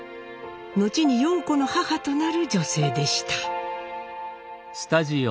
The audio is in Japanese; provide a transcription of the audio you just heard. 後に陽子の母となる女性でした。